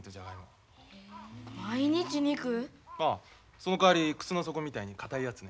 そのかわり靴の底みたいに硬いやつね。